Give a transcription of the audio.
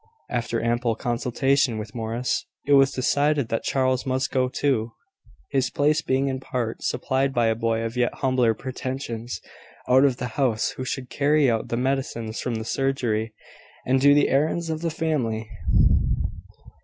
After ample consultation with Morris, it was decided that Charles must go too, his place being in part supplied by a boy of yet humbler pretensions out of the house, who should carry out the medicines from the surgery, and do the errands of the family.